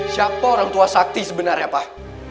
siapa orang tua sakti sebenarnya pak